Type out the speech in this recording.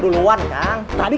kita mulai sekarang ya dok